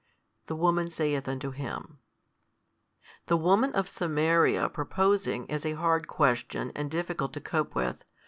The woman saith unto Him, The woman of Samaria proposing, as a hard question |209 and difficult to cope with.